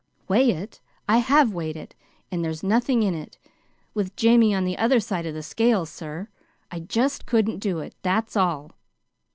"Weigh it? I have weighed it, and there's nothing in it with Jamie on the other side of the scales, sir. I just couldn't do it. That's all."